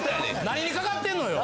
何にかかってんのよ。